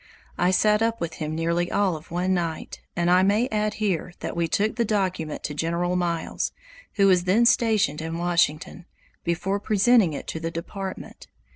I sat up with him nearly all of one night; and I may add here that we took the document to General Miles who was then stationed in Washington, before presenting it to the Department.